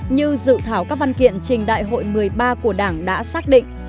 như dự thảo các văn kiện trình đại hội một mươi ba của đảng đã xác định